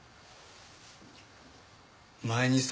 前にさ